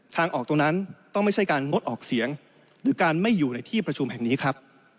ทางออกตรงนั้นต้องไม่ใช่การงดออกเสียงหรือการไม่อยู่ในที่ประชุมแห่งนี้ครับ